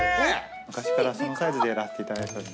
昔からそのサイズでやらせていただいております。